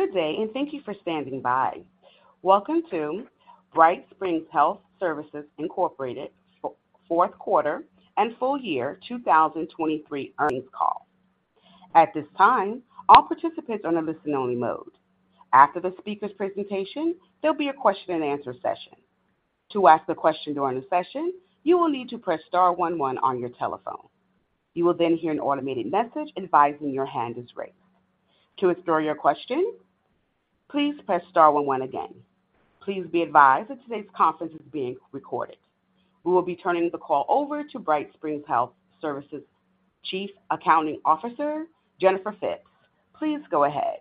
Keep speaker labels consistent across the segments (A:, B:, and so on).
A: Good day and thank you for standing by. Welcome to BrightSpring Health Services Incorporated's fourth quarter and full year 2023 earnings call. At this time, all participants are in a listen-only mode. After the speaker's presentation, there'll be a question-and-answer session. To ask a question during the session, you will need to press star one, one on your telephone. You will then hear an automated message advising your hand is raised. To explore your question, please press star one, one again. Please be advised that today's conference is being recorded. We will be turning the call over to BrightSpring Health Services' Chief Accounting Officer, Jennifer Phipps. Please go ahead.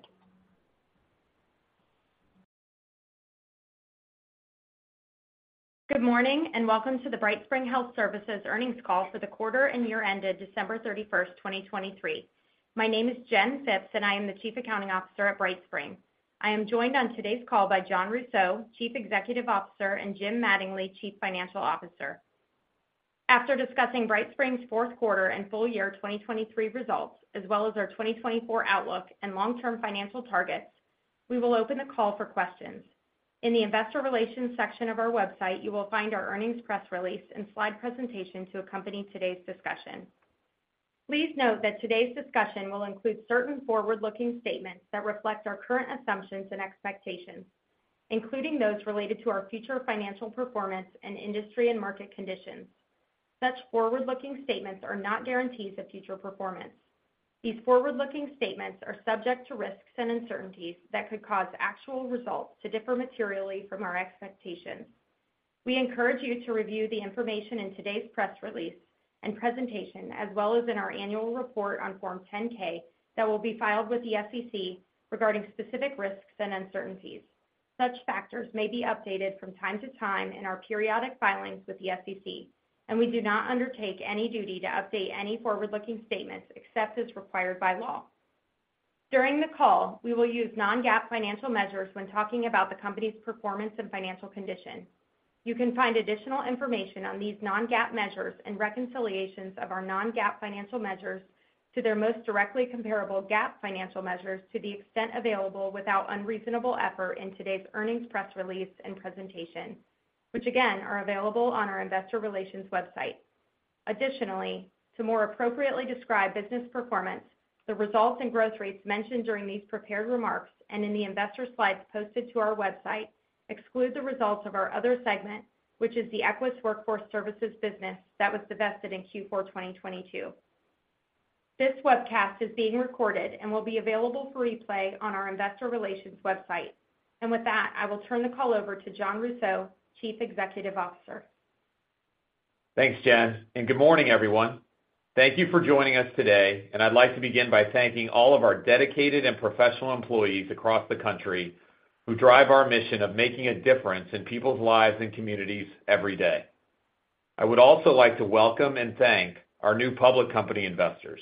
B: Good morning and welcome to the BrightSpring Health Services earnings call for the quarter and year-ended 31 December 2023. My name is Jen Phipps, and I am the Chief Accounting Officer at BrightSpring. I am joined on today's call by Jon Rousseau, Chief Executive Officer, and Jim Mattingly, Chief Financial Officer. After discussing BrightSpring's fourth quarter and full year 2023 results, as well as our 2024 outlook and long-term financial targets, we will open the call for questions. In the investor relations section of our website, you will find our earnings press release and slide presentation to accompany today's discussion. Please note that today's discussion will include certain forward-looking statements that reflect our current assumptions and expectations, including those related to our future financial performance and industry and market conditions. Such forward-looking statements are not guarantees of future performance. These forward-looking statements are subject to risks and uncertainties that could cause actual results to differ materially from our expectations. We encourage you to review the information in today's press release and presentation, as well as in our annual report on Form 10-K that will be filed with the SEC regarding specific risks and uncertainties. Such factors may be updated from time to time in our periodic filings with the SEC, and we do not undertake any duty to update any forward-looking statements except as required by law. During the call, we will use non-GAAP financial measures when talking about the company's performance and financial condition. You can find additional information on these non-GAAP measures and reconciliations of our non-GAAP financial measures to their most directly comparable GAAP financial measures to the extent available without unreasonable effort in today's earnings press release and presentation, which again are available on our investor relations website. Additionally, to more appropriately describe business performance, the results and growth rates mentioned during these prepared remarks and in the investor, slides posted to our website exclude the results of our other segment, which is the Equus Workforce Solutions business that was divested in fourth quarter 2022. This webcast is being recorded and will be available for replay on our investor relations website. With that, I will turn the call over to Jon Rousseau, Chief Executive Officer.
C: Thanks, Jen. Good morning, everyone. Thank you for joining us today, and I'd like to begin by thanking all of our dedicated and professional employees across the country who drive our mission of making a difference in people's lives and communities every day. I would also like to welcome and thank our new public company investors.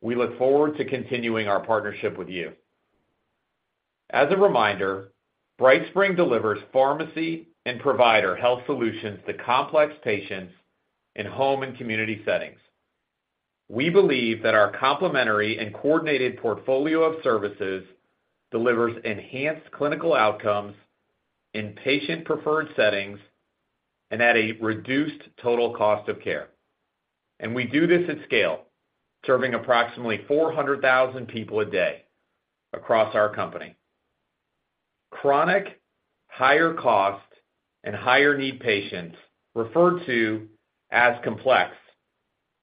C: We look forward to continuing our partnership with you. As a reminder, BrightSpring delivers pharmacy and provider health solutions to complex patients in home and community settings. We believe that our complementary and coordinated portfolio of services delivers enhanced clinical outcomes in patient-preferred settings and at a reduced total cost of care. We do this at scale, serving approximately 400,000 people a day across our company. Chronic, higher-cost, and higher-need patients, referred to as complex,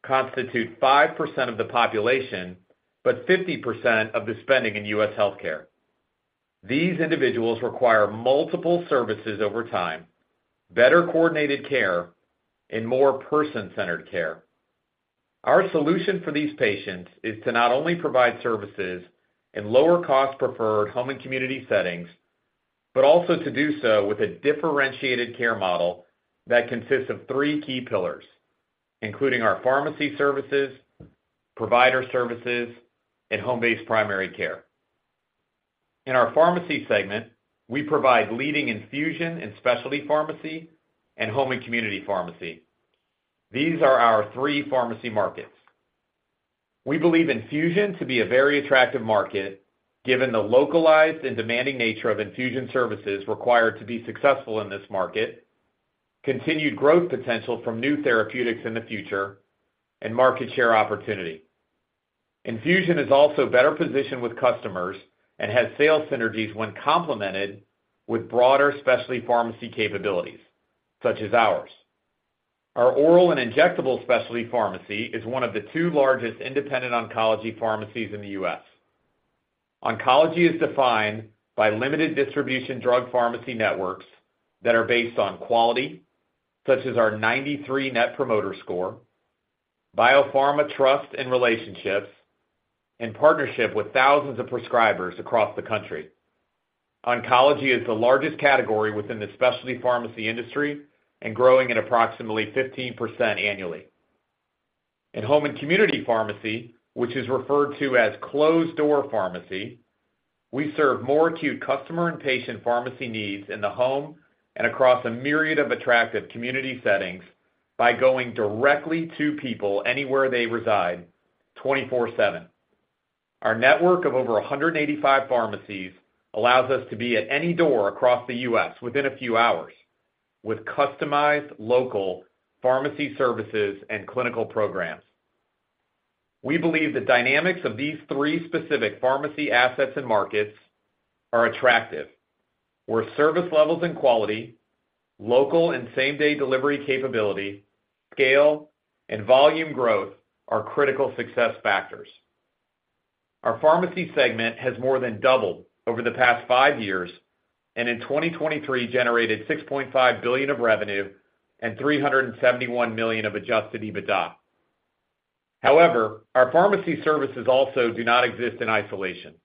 C: constitute 5% of the population but 50% of the spending in US healthcare. These individuals require multiple services over time, better coordinated care, and more person-centered care. Our solution for these patients is to not only provide services in lower-cost preferred home and community settings but also to do so with a differentiated care model that consists of three key pillars, including our pharmacy services, provider services, and home-based primary care. In our pharmacy segment, we provide leading infusion and specialty pharmacy and home and community pharmacy. These are our three pharmacy markets. We believe infusion to be a very attractive market given the localized and demanding nature of infusion services required to be successful in this market, continued growth potential from new therapeutics in the future, and market share opportunity. Infusion is also better positioned with customers and has sales synergies when complemented with broader specialty pharmacy capabilities such as ours. Our oral and injectable specialty pharmacy is one of the two largest independent oncology pharmacies in the US Oncology is defined by limited distribution drug pharmacy networks that are based on quality, such as our 93 Net Promoter Score, biopharma trust and relationships, and partnership with thousands of prescribers across the country. Oncology is the largest category within the specialty pharmacy industry and growing at approximately 15% annually. In home and community pharmacy, which is referred to as closed-door pharmacy, we serve more acute customer and patient pharmacy needs in the home and across a myriad of attractive community settings by going directly to people anywhere they reside, 24/7. Our network of over 185 pharmacies allows us to be at any door across the US within a few hours with customized, local pharmacy services and clinical programs. We believe the dynamics of these three specific pharmacy assets and markets are attractive, where service levels and quality, local and same-day delivery capability, scale, and volume growth are critical success factors. Our pharmacy segment has more than doubled over the past five years and in 2023 generated $6.5 billion of revenue and $371 million of Adjusted EBITDA. However, our pharmacy services also do not exist in isolation.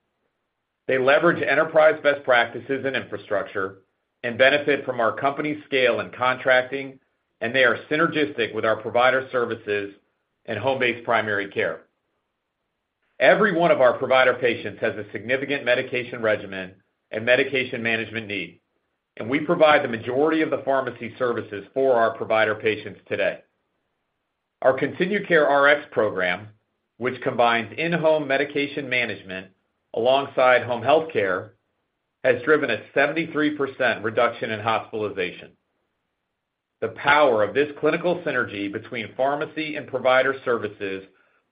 C: They leverage enterprise best practices and infrastructure and benefit from our company's scale and contracting, and they are synergistic with our provider services and home-based primary care. Every one of our provider patients has a significant medication regimen and medication management need, and we provide the majority of the pharmacy services for our provider patients today. Our ContinueCare Rx program, which combines in-home medication management alongside home healthcare, has driven a 73% reduction in hospitalization. The power of this clinical synergy between pharmacy and provider services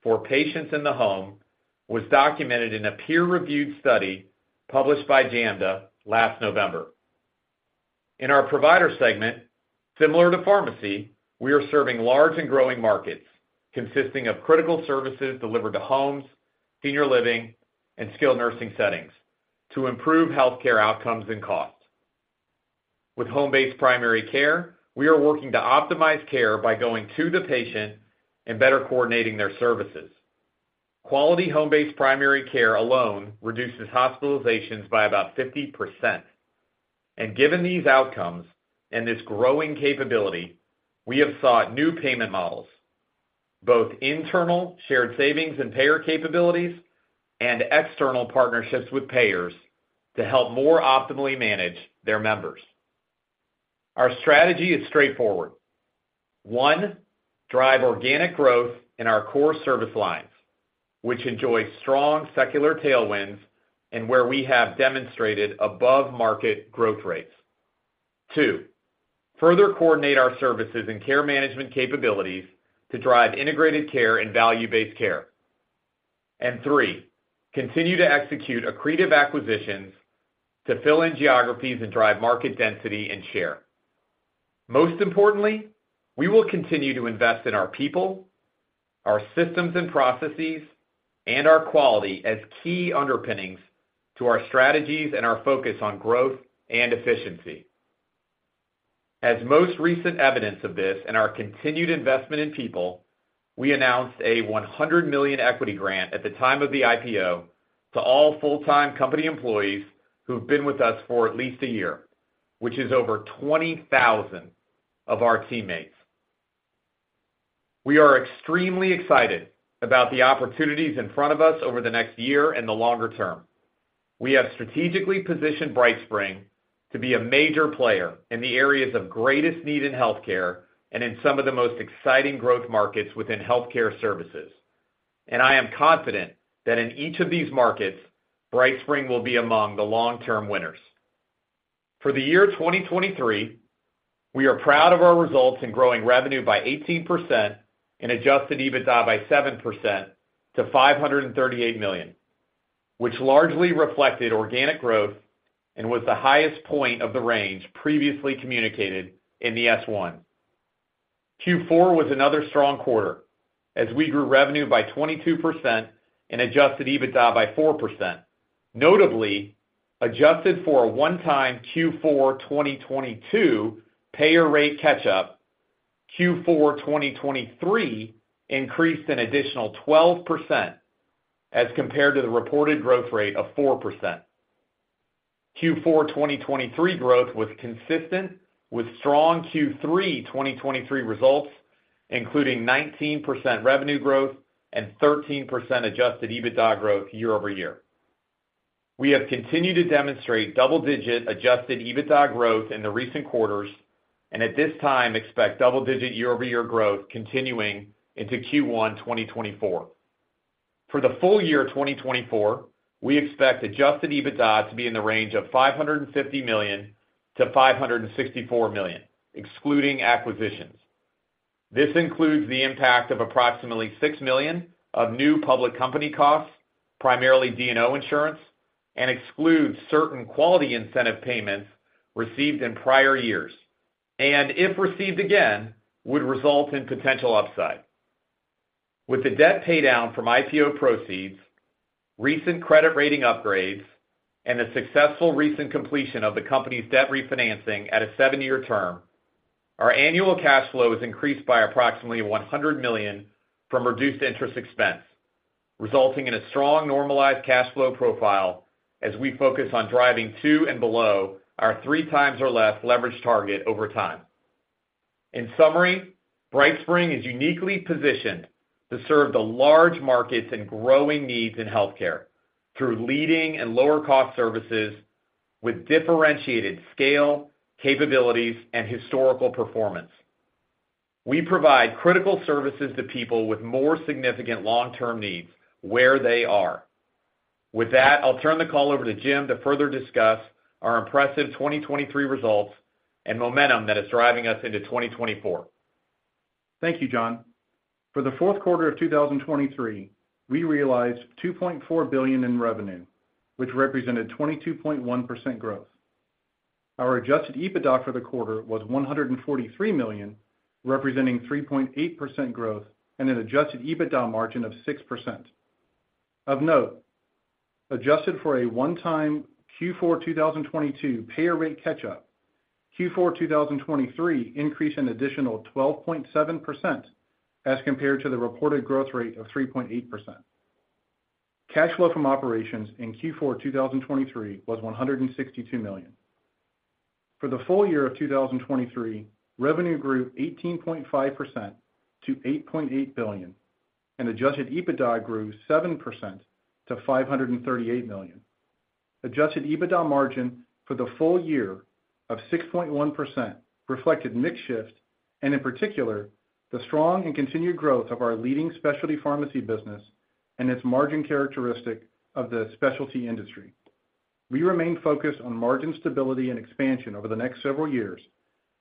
C: for patients in the home was documented in a peer-reviewed study published by JAMDA last November. In our provider segment, similar to pharmacy, we are serving large and growing markets consisting of critical services delivered to homes, senior living, and skilled nursing settings to improve healthcare outcomes and costs. With home-based primary care, we are working to optimize care by going to the patient and better coordinating their services. Quality home-based primary care alone reduces hospitalizations by about 50%. And given these outcomes and this growing capability, we have sought new payment models, both internal shared savings and payer capabilities and external partnerships with payers to help more optimally manage their members. Our strategy is straightforward. One, drive organic growth in our core service lines, which enjoy strong secular tailwinds and where we have demonstrated above-market growth rates. 2, further coordinate our services and care management capabilities to drive integrated care and value-based care. And 3, continue to execute accretive acquisitions to fill in geographies and drive market density and share. Most importantly, we will continue to invest in our people, our systems and processes, and our quality as key underpinnings to our strategies and our focus on growth and efficiency. As most recent evidence of this and our continued investment in people, we announced a $100 million equity grant at the time of the IPO to all full-time company employees who've been with us for at least a year, which is over 20,000 of our teammates. We are extremely excited about the opportunities in front of us over the next year and the longer term. We have strategically positioned BrightSpring to be a major player in the areas of greatest need in healthcare and in some of the most exciting growth markets within healthcare services. I am confident that in each of these markets, BrightSpring will be among the long-term winners. For the year 2023, we are proud of our results in growing revenue by 18% and adjusted EBITDA by 7% to $538 million, which largely reflected organic growth and was the highest point of the range previously communicated in the S-1. fourth quarter was another strong quarter as we grew revenue by 22% and adjusted EBITDA by 4%, notably adjusted for a one-time fourth quarter 2022 payer rate catch-up. fourth quarter 2023 increased an additional 12% as compared to the reported growth rate of 4%. fourth quarter 2023 growth was consistent with strong third quarter 2023 results, including 19% revenue growth and 13% Adjusted EBITDA growth year-over-year. We have continued to demonstrate double-digit Adjusted EBITDA growth in the recent quarters and at this time expect double-digit year-over-year growth continuing into first quarter 2024. For the full year 2024, we expect Adjusted EBITDA to be in the range of $550 to 564 million, excluding acquisitions. This includes the impact of approximately $6 million of new public company costs, primarily D&O insurance, and excludes certain quality incentive payments received in prior years and, if received again, would result in potential upside. With the debt paydown from IPO proceeds, recent credit rating upgrades, and the successful recent completion of the company's debt refinancing at a seven-year term, our annual cash flow is increased by approximately $100 million from reduced interest expense, resulting in a strong normalized cash flow profile as we focus on driving two times and below our three times or less leverage target over time. In summary, BrightSpring is uniquely positioned to serve the large markets and growing needs in healthcare through leading and lower-cost services with differentiated scale, capabilities, and historical performance. We provide critical services to people with more significant long-term needs where they are. With that, I'll turn the call over to Jim to further discuss our impressive 2023 results and momentum that is driving us into 2024.
D: Thank you, Jon. For the fourth quarter of 2023, we realized $2.4 billion in revenue, which represented 22.1% growth. Our adjusted EBITDA for the quarter was $143 million, representing 3.8% growth and an adjusted EBITDA margin of 6%. Of note, adjusted for a one-time fourth quarter 2022 payer rate catch-up, fourth quarter 2023 increased an additional 12.7% as compared to the reported growth rate of 3.8%. Cash flow from operations in fourth quarter 2023 was $162 million. For the full year of 2023, revenue grew 18.5% to $8.8 billion, and adjusted EBITDA grew 7% to $538 million. Adjusted EBITDA margin for the full year of 6.1% reflected mixed shift and, in particular, the strong and continued growth of our leading specialty pharmacy business and its margin characteristic of the specialty industry. We remain focused on margin stability and expansion over the next several years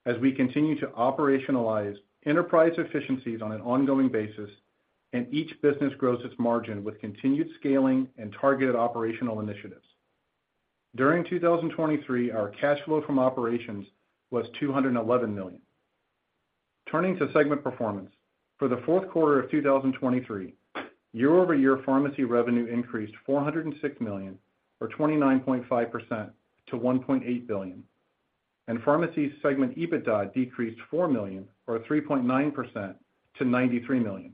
D: as we continue to operationalize enterprise efficiencies on an ongoing basis, and each business grows its margin with continued scaling and targeted operational initiatives. During 2023, our cash flow from operations was $211 million. Turning to segment performance, for the fourth quarter of 2023, year-over-year pharmacy revenue increased $406 million, or 29.5%, to $1.8 billion, and pharmacy segment EBITDA decreased $4 million, or 3.9%, to $93 million.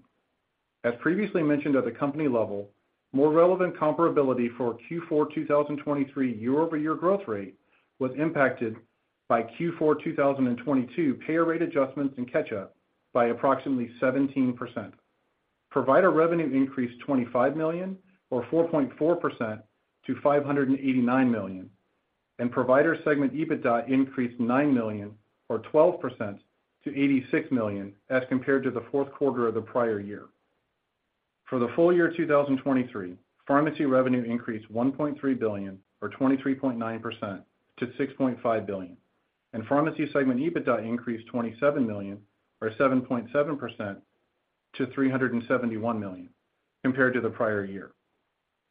D: As previously mentioned at the company level, more relevant comparability for fourth quarter 2023 year-over-year growth rate was impacted by fourth quarter 2022 payer rate adjustments and catch-up by approximately 17%. Provider revenue increased $25 million, or 4.4%, to $589 million, and provider segment EBITDA increased $9 million, or 12%, to $86 million as compared to the fourth quarter of the prior year. For the full year 2023, pharmacy revenue increased $1.3 billion, or 23.9%, to $6.5 billion, and pharmacy segment EBITDA increased $27 million, or 7.7%, to $371 million compared to the prior year.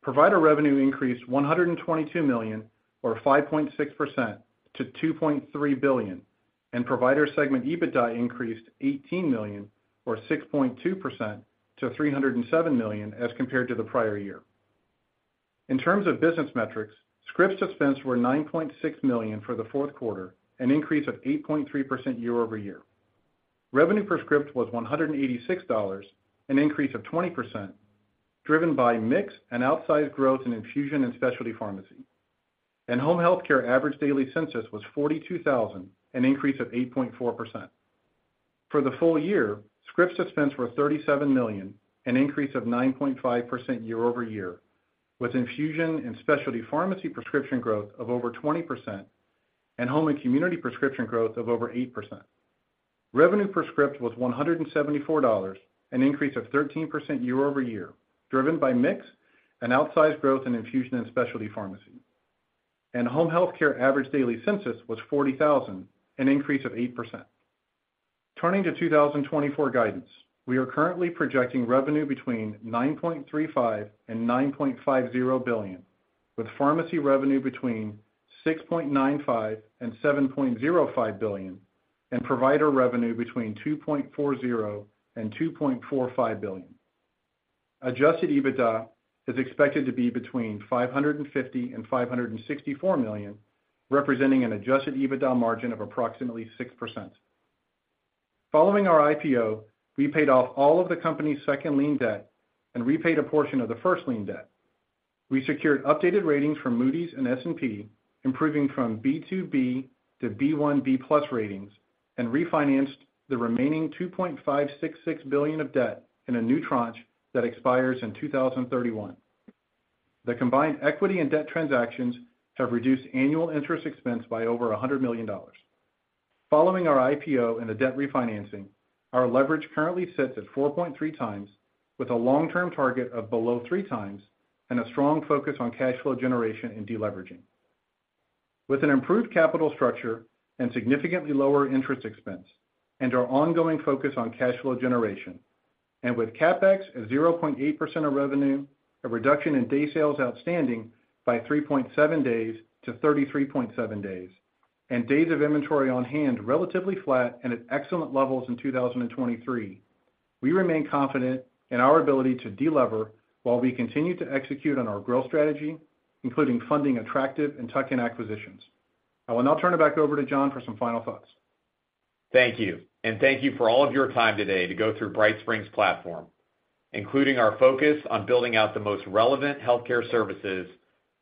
D: Provider revenue increased $122 million, or 5.6%, to $2.3 billion, and provider segment EBITDA increased $18 million, or 6.2%, to $307 million as compared to the prior year. In terms of business metrics, scripts dispensed were 9.6 million for the fourth quarter, an increase of 8.3% year-over-year. Revenue per script was $186, an increase of 20%, driven by mixed and outsized growth in infusion and specialty pharmacy. Home healthcare average daily census was 42,000, an increase of 8.4%. For the full year, scripts dispensed were 37 million, an increase of 9.5% year-over-year, with infusion and specialty pharmacy prescription growth of over 20% and home and community prescription growth of over 8%. Revenue per script was $174, an increase of 13% year-over-year, driven by mixed and outsized growth in infusion and specialty pharmacy. Home healthcare average daily census was 40,000, an increase of 8%. Turning to 2024 guidance, we are currently projecting revenue between $9.35 billion-$9.50 billion, with pharmacy revenue between $6.95 billion-$7.05 billion, and provider revenue between $2.40 billion-$2.45 billion. Adjusted EBITDA is expected to be between $550 to 564 million, representing an adjusted EBITDA margin of approximately 6%. Following our IPO, we paid off all of the company's second lien debt and repaid a portion of the first lien debt. We secured updated ratings from Moody's and S&P, improving from B2/B to B1/B+ ratings, and refinanced the remaining $2.566 billion of debt in a new tranche that expires in 2031. The combined equity and debt transactions have reduced annual interest expense by over $100 million. Following our IPO and the debt refinancing, our leverage currently sits at 4.3x, with a long-term target of below three times and a strong focus on cash flow generation and deleveraging. With an improved capital structure and significantly lower interest expense and our ongoing focus on cash flow generation, and with CapEx at 0.8% of revenue, a reduction in days sales outstanding by 3.7 days to 33.7 days, and days of inventory on hand relatively flat and at excellent levels in 2023, we remain confident in our ability to deliver while we continue to execute on our growth strategy, including funding attractive and tuck-in acquisitions. I'll turn it back over to Jon for some final thoughts. Thank you. And thank you for all of your time today to go through BrightSpring's platform, including our focus on building out the most relevant healthcare services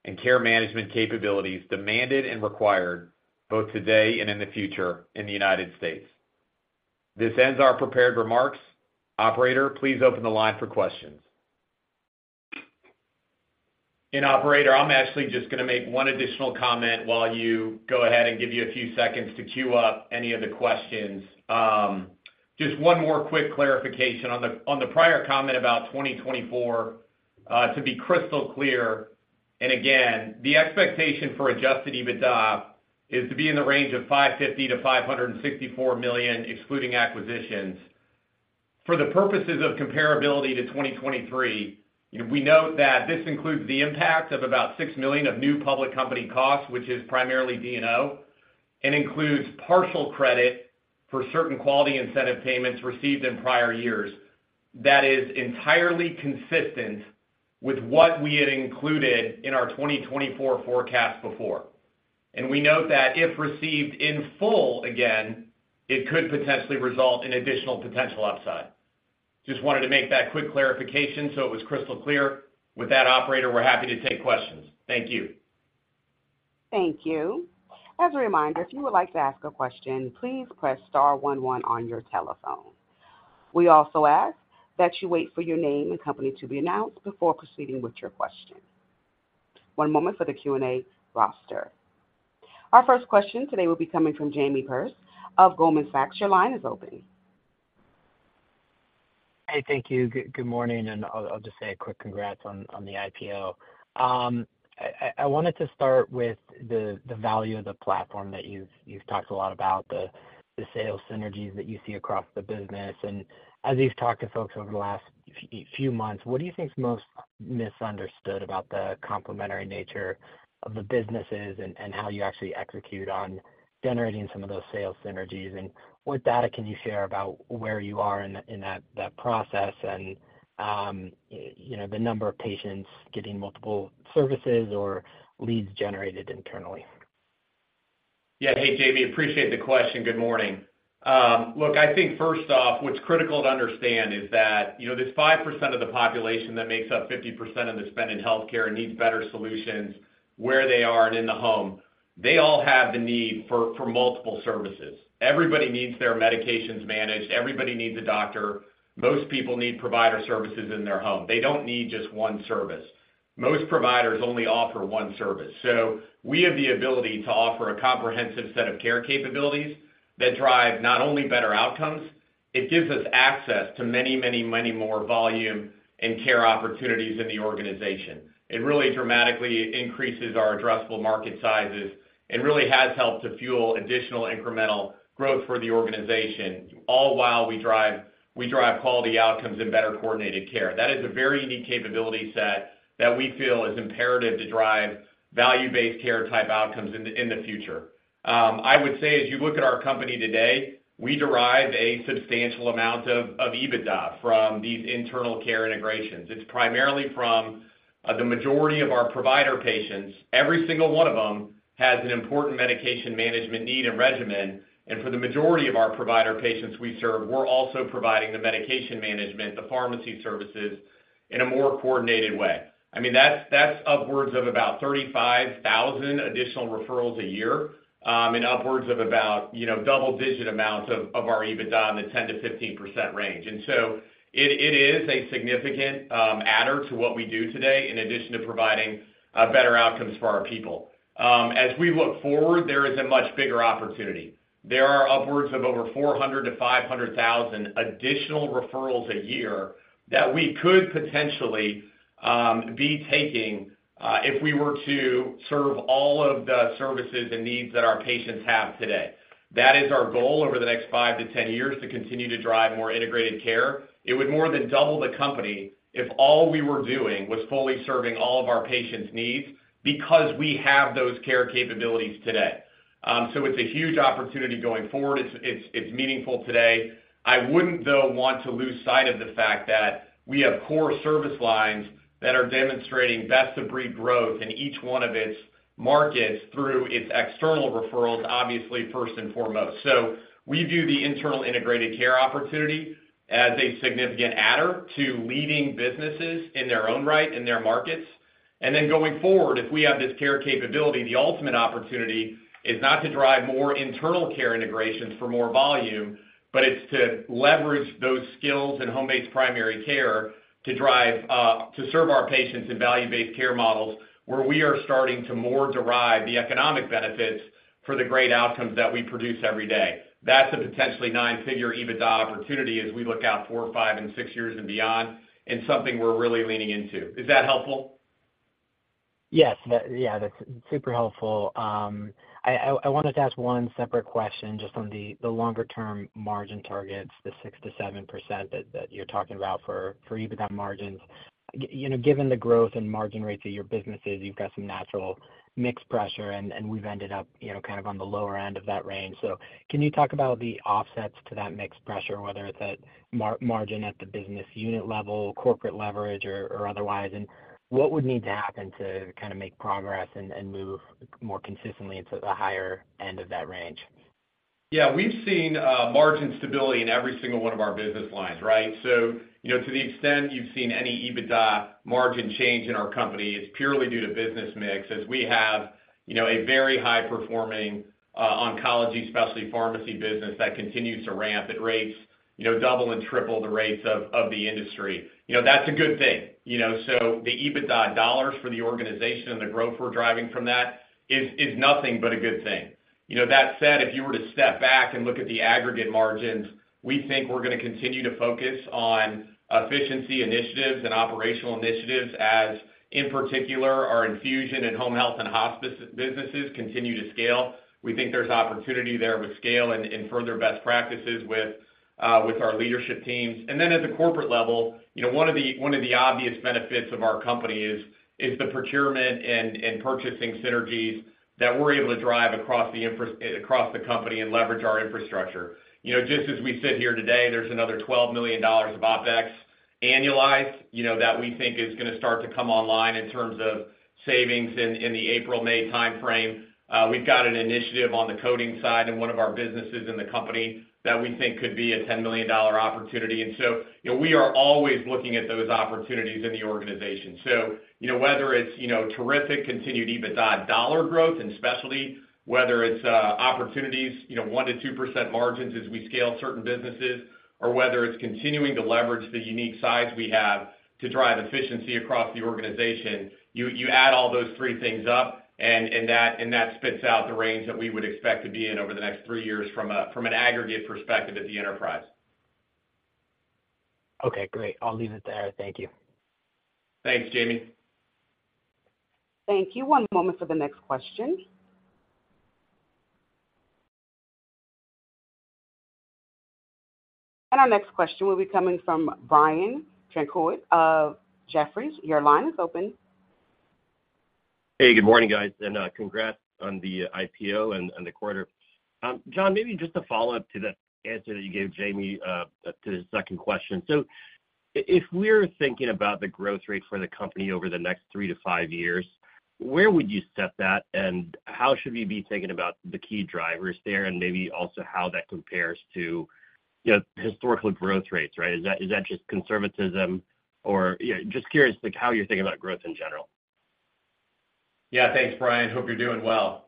D: and care management capabilities demanded and required both today and in the future in the United States. This ends our prepared remarks. Operator, please open the line for questions. And operator, I'm actually just going to make one additional comment while you go ahead and give you a few seconds to queue up any of the questions. Just one more quick clarification on the prior comment about 2024, to be crystal clear. And again, the expectation for Adjusted EBITDA is to be in the range of $550 to 564 million, excluding acquisitions. For the purposes of comparability to 2023, we note that this includes the impact of about $6 million of new public company costs, which is primarily D&O, and includes partial credit for certain quality incentive payments received in prior years that is entirely consistent with what we had included in our 2024 forecast before. And we note that if received in full again, it could potentially result in additional potential upside. Just wanted to make that quick clarification so it was crystal clear. With that, operator, we're happy to take questions. Thank you.
A: Thank you. As a reminder, if you would like to ask a question, please press star one, one on your telephone. We also ask that you wait for your name and company to be announced before proceeding with your question. One moment for the Q&A roster. Our first question today will be coming from Jamie Perse of Goldman Sachs. Your line is open.
E: Hey, thank you. Good morning. And I'll just say a quick congrats on the IPO. I wanted to start with the value of the platform that you've talked a lot about, the sales synergies that you see across the business. And as you've talked to folks over the last few months, what do you think's most misunderstood about the complementary nature of the businesses and how you actually execute on generating some of those sales synergies? And what data can you share about where you are in that process and the number of patients getting multiple services or leads generated internally?
C: Yeah. Hey, Jamie. Appreciate the question. Good morning. Look, I think first off, what's critical to understand is that this 5% of the population that makes up 50% of the spend in healthcare and needs better solutions where they are and in the home, they all have the need for multiple services. Everybody needs their medications managed. Everybody needs a doctor. Most people need provider services in their home. They don't need just one service. Most providers only offer one service. So we have the ability to offer a comprehensive set of care capabilities that drive not only better outcomes, it gives us access to many, many, many more volume and care opportunities in the organization. It really dramatically increases our addressable market sizes and really has helped to fuel additional incremental growth for the organization, all while we drive quality outcomes and better coordinated care. That is a very unique capability set that we feel is imperative to drive value-based care-type outcomes in the future. I would say, as you look at our company today, we derive a substantial amount of EBITDA from these internal care integrations. It's primarily from the majority of our provider patients. Every single one of them has an important medication management need and regimen. And for the majority of our provider patients we serve, we're also providing the medication management, the pharmacy services in a more coordinated way. I mean, that's upwards of about 35,000 additional referrals a year and upwards of about double-digit amounts of our EBITDA in the 10% to 15% range. And so it is a significant adder to what we do today in addition to providing better outcomes for our people. As we look forward, there is a much bigger opportunity. There are upwards of over 400,000-500,000 additional referrals a year that we could potentially be taking if we were to serve all of the services and needs that our patients have today. That is our goal over the next five to 10 years to continue to drive more integrated care. It would more than double the company if all we were doing was fully serving all of our patients' needs because we have those care capabilities today. So it's a huge opportunity going forward. It's meaningful today. I wouldn't, though, want to lose sight of the fact that we have core service lines that are demonstrating best-of-breed growth in each one of its markets through its external referrals, obviously, first and foremost. So we view the internal integrated care opportunity as a significant adder to leading businesses in their own right, in their markets. And then going forward, if we have this care capability, the ultimate opportunity is not to drive more internal care integrations for more volume, but it's to leverage those skills in home-based primary care to serve our patients in value-based care models where we are starting to more derive the economic benefits for the great outcomes that we produce every day. That's a potentially 9-figure EBITDA opportunity as we look out four, five, and six years and beyond and something we're really leaning into. Is that helpful?
E: Yes. Yeah, that's super helpful. I wanted to ask one separate question just on the longer-term margin targets, the 6% to 7% that you're talking about for EBITDA margins. Given the growth and margin rates of your businesses, you've got some natural mixed pressure, and we've ended up kind of on the lower end of that range. So can you talk about the offsets to that mixed pressure, whether it's at margin at the business unit level, corporate leverage, or otherwise? And what would need to happen to kind of make progress and move more consistently into the higher end of that range?
C: Yeah. We've seen margin stability in every single one of our business lines, right? So to the extent you've seen any EBITDA margin change in our company, it's purely due to business mix. As we have a very high-performing oncology, especially pharmacy business that continues to ramp, it rates double and triple the rates of the industry. That's a good thing. So the EBITDA dollars for the organization and the growth we're driving from that is nothing but a good thing. That said, if you were to step back and look at the aggregate margins, we think we're going to continue to focus on efficiency initiatives and operational initiatives as, in particular, our infusion and home health and hospice businesses continue to scale. We think there's opportunity there with scale and further best practices with our leadership teams. At the corporate level, one of the obvious benefits of our company is the procurement and purchasing synergies that we're able to drive across the company and leverage our infrastructure. Just as we sit here today, there's another $12 million of OpEx annualized that we think is going to start to come online in terms of savings in the April, May timeframe. We've got an initiative on the coding side in one of our businesses in the company that we think could be a $10 million opportunity. So we are always looking at those opportunities in the organization. Whether it's terrific continued EBITDA dollar growth in specialty, whether it's opportunities, 1% to 2% margins as we scale certain businesses, or whether it's continuing to leverage the unique size we have to drive efficiency across the organization, you add all those three things up, and that spits out the range that we would expect to be in over the next three years from an aggregate perspective at the enterprise.
E: Okay. Great. I'll leave it there. Thank you.
C: Thanks, Jamie.
A: Thank you. One moment for the next question. Our next question will be coming from Brian Tanquilut of Jefferies. Your line is open.
F: Hey, good morning, guys. And congrats on the IPO and the quarter. Jon, maybe just a follow-up to the answer that you gave, Jamie, to the second question. So if we're thinking about the growth rate for the company over the next three to five years, where would you set that, and how should we be thinking about the key drivers there and maybe also how that compares to historical growth rates, right? Is that just conservatism, or? Just curious how you're thinking about growth in general.
C: Yeah. Thanks, Brian. Hope you're doing well.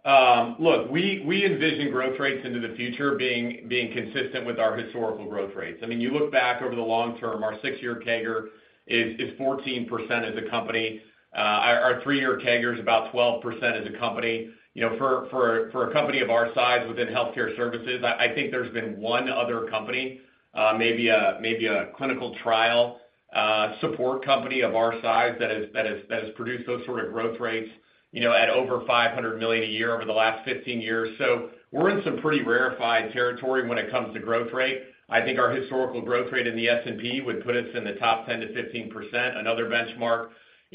C: Look, we envision growth rates into the future being consistent with our historical growth rates. I mean, you look back over the long term, our six-year CAGR is 14% as a company. Our three-year CAGR is about 12% as a company. For a company of our size within healthcare services, I think there's been one other company, maybe a clinical trial support company of our size that has produced those sort of growth rates at over $500 million a year over the last 15 years. So we're in some pretty rarified territory when it comes to growth rate. I think our historical growth rate in the S&P would put us in the top 10% to 15%, another benchmark.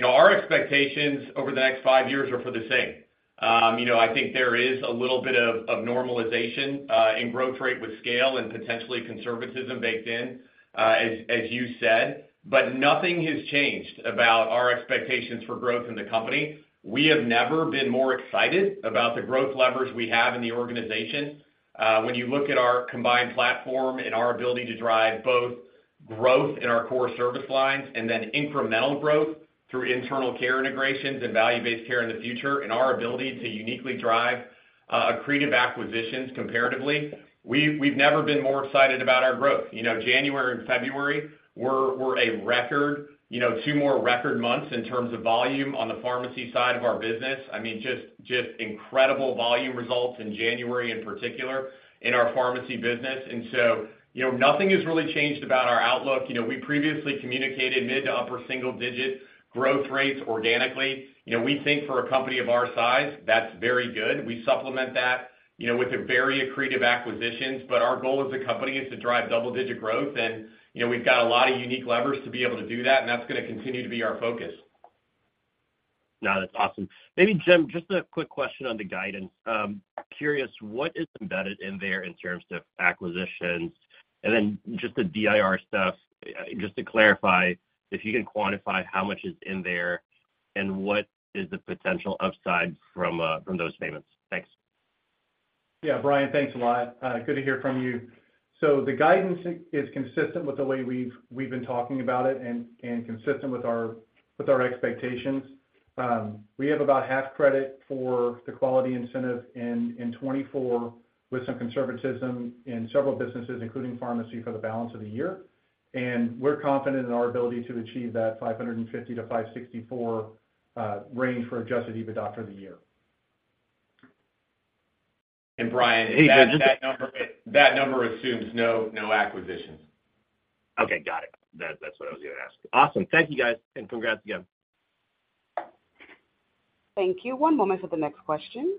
C: Our expectations over the next five years are for the same. I think there is a little bit of normalization in growth rate with scale and potentially conservatism baked in, as you said. But nothing has changed about our expectations for growth in the company. We have never been more excited about the growth levers we have in the organization. When you look at our combined platform and our ability to drive both growth in our core service lines and then incremental growth through internal care integrations and value-based care in the future and our ability to uniquely drive accretive acquisitions comparatively, we've never been more excited about our growth. January and February, we're a record, two more record months in terms of volume on the pharmacy side of our business. I mean, just incredible volume results in January in particular in our pharmacy business. And so nothing has really changed about our outlook. We previously communicated mid-to-upper single-digit growth rates organically. We think for a company of our size, that's very good. We supplement that with very accretive acquisitions. Our goal as a company is to drive double-digit growth. We've got a lot of unique levers to be able to do that, and that's going to continue to be our focus.
F: No, that's awesome. Maybe, Jim, just a quick question on the guidance. Curious, what is embedded in there in terms of acquisitions? And then just the DIR stuff, just to clarify, if you can quantify how much is in there and what is the potential upside from those payments? Thanks.
D: Yeah, Brian, thanks a lot. Good to hear from you. The guidance is consistent with the way we've been talking about it and consistent with our expectations. We have about half credit for the quality incentive in 2024 with some conservatism in several businesses, including pharmacy, for the balance of the year. We're confident in our ability to achieve that 550-564 range for Adjusted EBITDA for the year.
F: Brian, that number assumes no acquisitions. Okay. Got it. That's what I was going to ask. Awesome. Thank you, guys, and congrats again.
A: Thank you. One moment for the next question.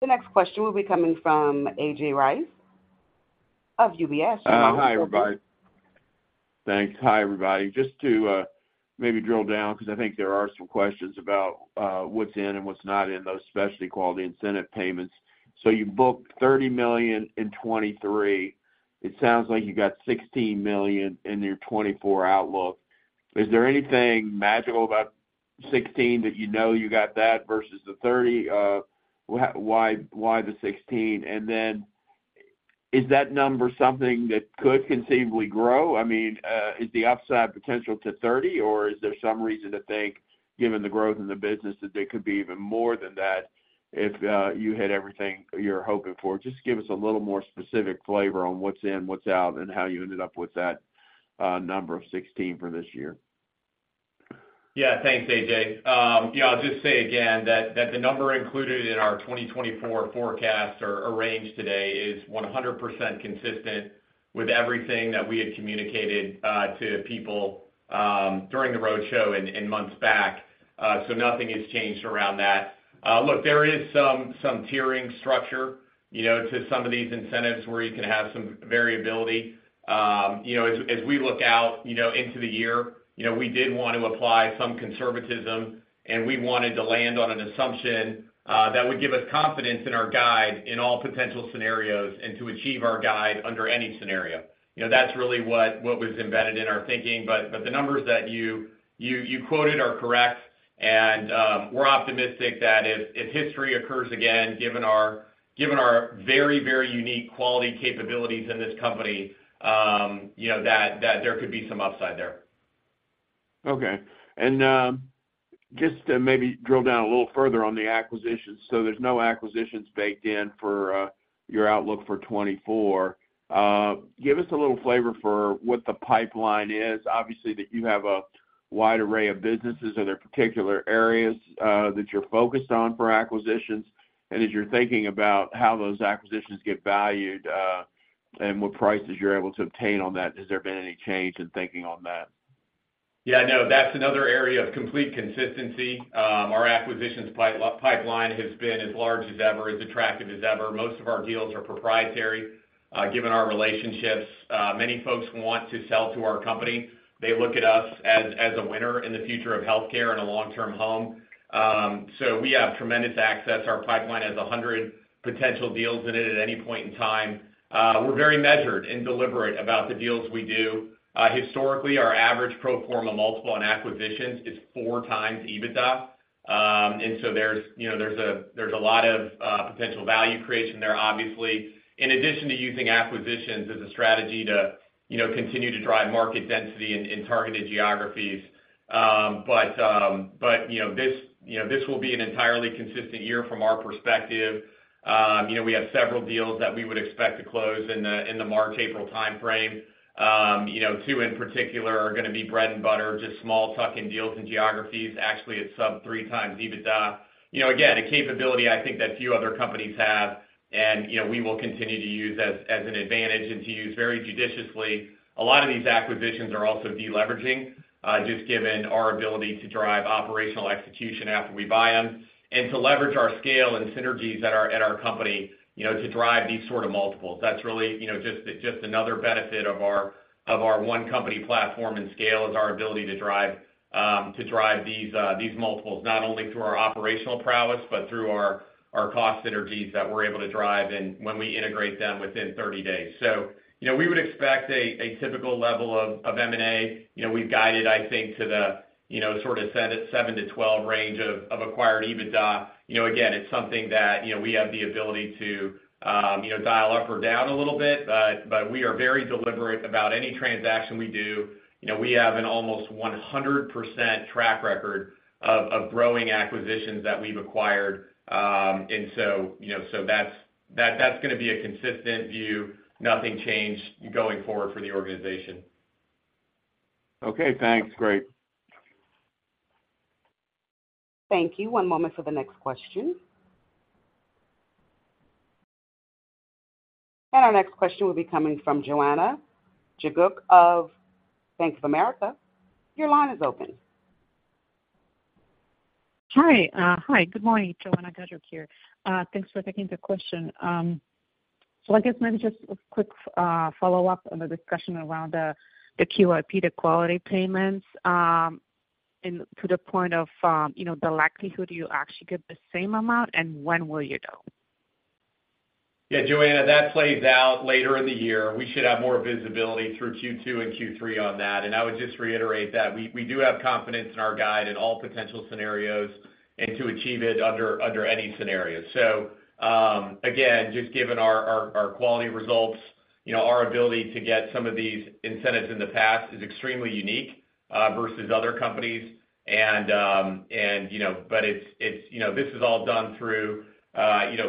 A: The next question will be coming from A.J. Rice of UBS.
G: Hi, everybody. Thanks. Hi, everybody. Just to maybe drill down because I think there are some questions about what's in and what's not in those specialty quality incentive payments. So you booked $30 million in 2023. It sounds like you've got $16 million in your 2024 outlook. Is there anything magical about 16 that you know you got that versus the 30? Why the 16? And then is that number something that could conceivably grow? I mean, is the upside potential to 30, or is there some reason to think, given the growth in the business, that there could be even more than that if you hit everything you're hoping for? Just give us a little more specific flavor on what's in, what's out, and how you ended up with that number of 16 for this year.
C: Yeah. Thanks, A.J. I'll just say again that the number included in our 2024 forecast or range today is 100% consistent with everything that we had communicated to people during the roadshow and months back. So nothing has changed around that. Look, there is some tiering structure to some of these incentives where you can have some variability. As we look out into the year, we did want to apply some conservatism, and we wanted to land on an assumption that would give us confidence in our guide in all potential scenarios and to achieve our guide under any scenario. That's really what was embedded in our thinking. But the numbers that you quoted are correct. And we're optimistic that if history occurs again, given our very, very unique quality capabilities in this company, that there could be some upside there.
G: Okay. And just to maybe drill down a little further on the acquisitions. So there's no acquisitions baked in for your outlook for 2024. Give us a little flavor for what the pipeline is. Obviously, that you have a wide array of businesses. Are there particular areas that you're focused on for acquisitions? And as you're thinking about how those acquisitions get valued and what prices you're able to obtain on that, has there been any change in thinking on that?
C: Yeah. No, that's another area of complete consistency. Our acquisitions pipeline has been as large as ever, as attractive as ever. Most of our deals are proprietary, given our relationships. Many folks want to sell to our company. They look at us as a winner in the future of healthcare and a long-term home. So we have tremendous access. Our pipeline has 100 potential deals in it at any point in time. We're very measured and deliberate about the deals we do. Historically, our average pro forma multiple on acquisitions is 4x EBITDA. And so there's a lot of potential value creation there, obviously, in addition to using acquisitions as a strategy to continue to drive market density in targeted geographies. But this will be an entirely consistent year from our perspective. We have several deals that we would expect to close in the March, April timeframe. Two, in particular, are going to be bread and butter, just small tuck-in deals in geographies, actually at sub-3x EBITDA. Again, a capability, I think, that few other companies have, and we will continue to use as an advantage and to use very judiciously. A lot of these acquisitions are also deleveraging, just given our ability to drive operational execution after we buy them and to leverage our scale and synergies at our company to drive these sort of multiples. That's really just another benefit of our one-company platform and scale is our ability to drive these multiples not only through our operational prowess but through our cost synergies that we're able to drive when we integrate them within 30 days. So we would expect a typical level of M&A. We've guided, I think, to the sort of 7-12 range of acquired EBITDA. Again, it's something that we have the ability to dial up or down a little bit, but we are very deliberate about any transaction we do. We have an almost 100% track record of growing acquisitions that we've acquired. And so that's going to be a consistent view, nothing changed going forward for the organization.
G: Okay. Thanks. Great.
A: Thank you. One moment for the next question. Our next question will be coming from Joanna Gajuk of Bank of America. Your line is open.
H: Hi. Hi. Good morning, Joanna Gajuk here. Thanks for taking the question. So I guess maybe just a quick follow-up on the discussion around the QIP, the quality payments, to the point of the likelihood you actually get the same amount, and when will you know?
C: Yeah, Joanna, that plays out later in the year. We should have more visibility through second quarter and third quarter on that. I would just reiterate that we do have confidence in our guide in all potential scenarios and to achieve it under any scenarios. Again, just given our quality results, our ability to get some of these incentives in the past is extremely unique versus other companies. But this is all done through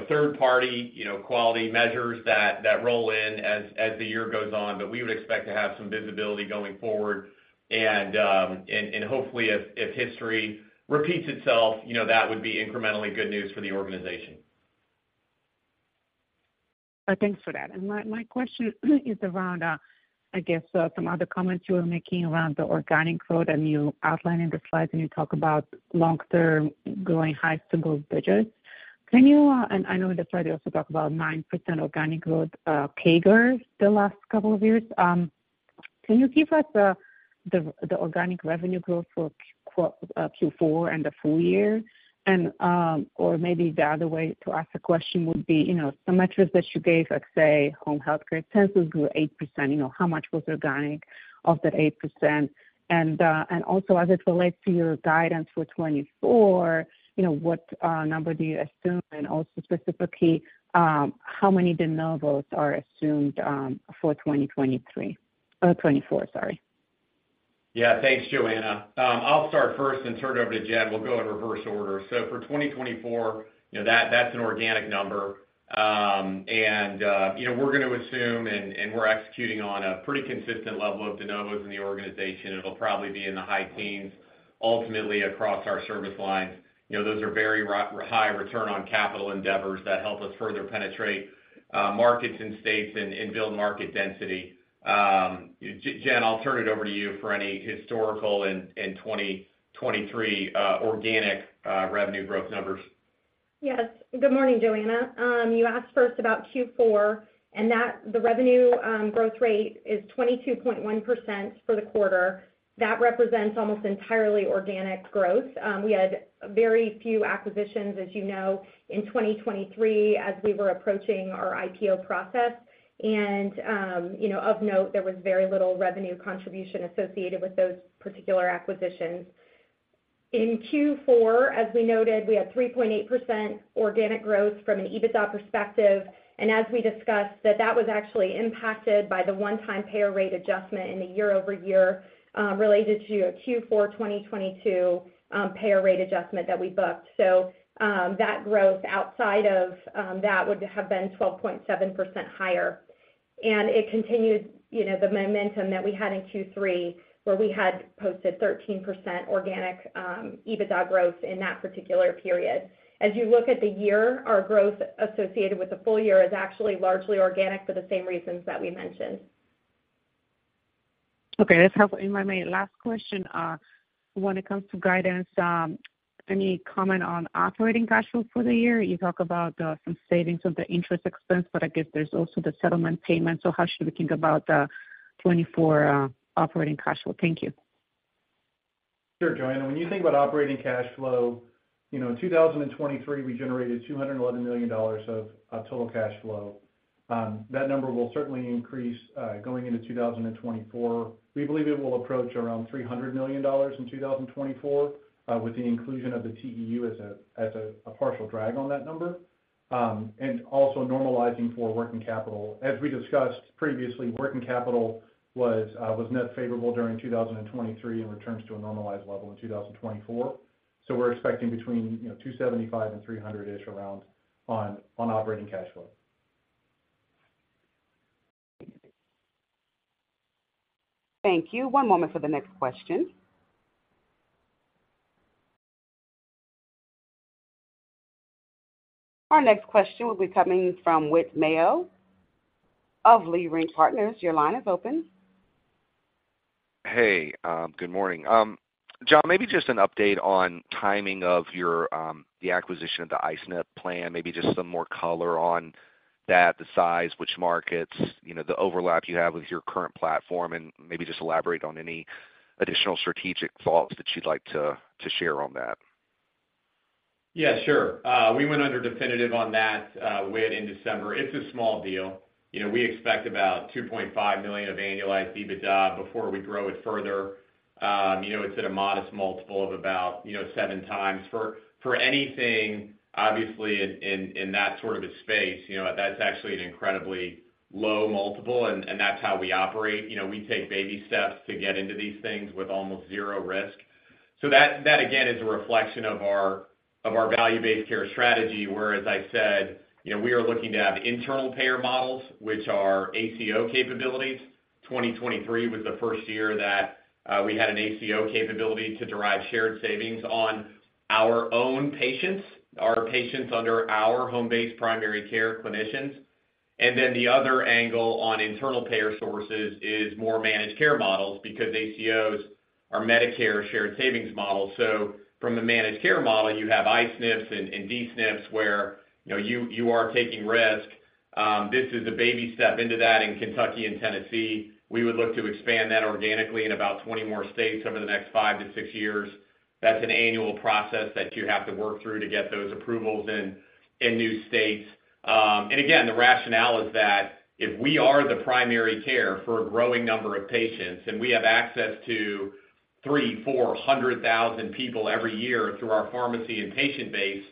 C: third-party quality measures that roll in as the year goes on. But we would expect to have some visibility going forward. Hopefully, if history repeats itself, that would be incrementally good news for the organization.
H: Thanks for that. And my question is around, I guess, some other comments you were making around the organic growth. And you outlined in the slides, and you talk about long-term growing high single digits. And I know in the slide, you also talk about 9% organic growth CAGR the last couple of years. Can you give us the organic revenue growth for fourth quarter and the full year? Or maybe the other way to ask the question would be some metrics that you gave, let's say, home healthcare. Census grew 8%. How much was organic of that 8%? And also, as it relates to your guidance for 2024, what number do you assume? And also specifically, how many de novos are assumed for 2024, sorry?
C: Yeah. Thanks, Joanna. I'll start first and turn it over to Jen. We'll go in reverse order. So for 2024, that's an organic number. And we're going to assume, and we're executing on a pretty consistent level of de novos in the organization. It'll probably be in the high teens, ultimately, across our service lines. Those are very high return on capital endeavors that help us further penetrate markets and states and build market density. Jen, I'll turn it over to you for any historical and 2023 organic revenue growth numbers.
B: Yes. Good morning, Joanna. You asked first about fourth quarter, and the revenue growth rate is 22.1% for the quarter. That represents almost entirely organic growth. We had very few acquisitions, as you know, in 2023 as we were approaching our IPO process. Of note, there was very little revenue contribution associated with those particular acquisitions. In fourth quarter, as we noted, we had 3.8% organic growth from an EBITDA perspective. As we discussed, that was actually impacted by the one-time payer rate adjustment in the year-over-year related to a fourth quarter 2022 payer rate adjustment that we booked. So that growth outside of that would have been 12.7% higher. It continued the momentum that we had in third quarter where we had posted 13% organic EBITDA growth in that particular period. As you look at the year, our growth associated with the full year is actually largely organic for the same reasons that we mentioned.
H: Okay. That's helpful. My last question, when it comes to guidance, any comment on operating cash flow for the year? You talk about some savings of the interest expense, but I guess there's also the settlement payments. How should we think about the 2024 operating cash flow? Thank you.
D: Sure, Joanna. When you think about operating cash flow, in 2023, we generated $211 million of total cash flow. That number will certainly increase going into 2024. We believe it will approach around $300 million in 2024 with the inclusion of the TEU as a partial drag on that number and also normalizing for working capital. As we discussed previously, working capital was net favorable during 2023 and returns to a normalized level in 2024. So we're expecting between $275 million and $300 million-ish around on operating cash flow.
A: Thank you. One moment for the next question. Our next question will be coming from Whit Mayo of Leerink Partners. Your line is open.
I: Hey. Good morning. Jon, maybe just an update on timing of the acquisition of the I-SNP plan, maybe just some more color on that, the size, which markets, the overlap you have with your current platform, and maybe just elaborate on any additional strategic thoughts that you'd like to share on that?
C: Yeah. Sure. We went under definitive on that within December. It's a small deal. We expect about $2.5 million of annualized EBITDA before we grow it further. It's at a modest multiple of about 7x. For anything, obviously, in that sort of a space, that's actually an incredibly low multiple, and that's how we operate. We take baby steps to get into these things with almost zero risk. So that, again, is a reflection of our value-based care strategy. Whereas, I said, we are looking to have internal payer models, which are ACO capabilities. 2023 was the first year that we had an ACO capability to derive shared savings on our own patients, our patients under our home-based primary care clinicians. And then the other angle on internal payer sources is more managed care models because ACOs are Medicare shared savings models. So from the managed care model, you have I-SNPs and D-SNPs where you are taking risk. This is a baby step into that in Kentucky and Tennessee. We would look to expand that organically in about 20 more states over the next five to six years. That's an annual process that you have to work through to get those approvals in new states. And again, the rationale is that if we are the primary care for a growing number of patients and we have access to 300,000-400,000 people every year through our pharmacy and patient base